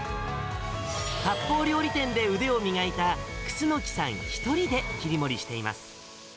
かっぽう料理店で腕を磨いた楠さん、１人で切り盛りしています。